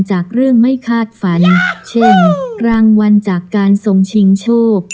จากเรื่องไม่คาดฝันเช่นรางวัลจากการทรงชิงโชค